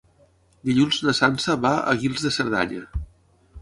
Dilluns na Sança va a Guils de Cerdanya.